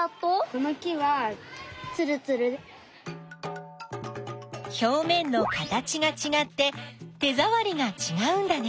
この木はひょうめんの形がちがって手ざわりがちがうんだね。